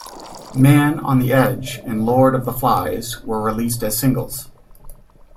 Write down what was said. "Man on the Edge" and "Lord of the Flies" were released as singles.